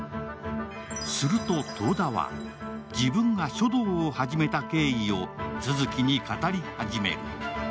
すると遠田は、自分が書道を始めた経緯を続に語り始める。